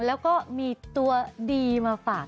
แล้วก็มีตัวดีมาฝาก